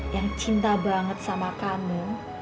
yang cinta banget sama kamu